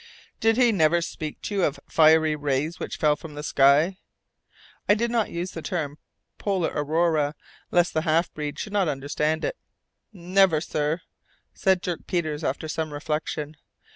"Did he never speak to you of fiery rays which fell from the sky?" I did not use the term "polar aurora," lest the half breed should not understand it. "Never, sir," said Dirk Peters, after some reflection.